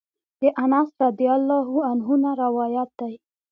د انس رضی الله عنه نه روايت دی: